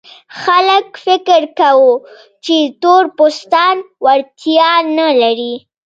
خلک فکر کاوه چې تور پوستان وړتیا نه لري.